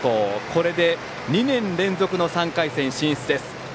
これで２年連続の３回戦進出です。